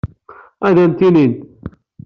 Ad am-t-nini.